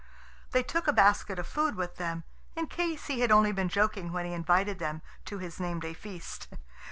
They took a basket of food with them, in case he had only been joking when he invited them to his name day feast.